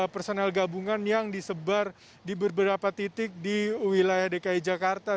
personel gabungan yang disebar di beberapa titik di wilayah dki jakarta